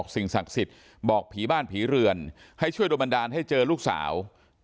สิ่งศักดิ์สิทธิ์บอกผีบ้านผีเรือนให้ช่วยโดนบันดาลให้เจอลูกสาว